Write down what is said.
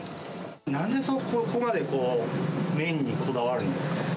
なんでそこまで麺にこだわるんですか？